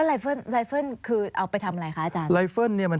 ไลเฟิร์นเอาไปทำอะไรอาจารย์